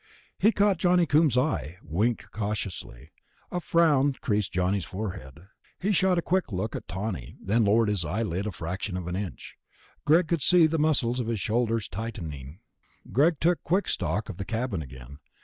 He caught Johnny Coombs' eye, winked cautiously. A frown creased Johnny's forehead. He shot a quick look at Tawney, then lowered his eyelid a fraction of an inch. Greg could see the muscles of his shoulders tightening. Greg took quick stock of the cabin again.